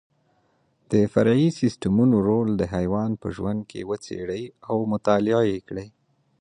د فرعي سیسټمونو رول د حیوان په ژوند کې وڅېړئ او مطالعه یې کړئ.